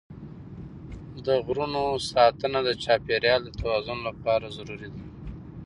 د غرونو ساتنه د چاپېریال د توازن لپاره ضروري ده.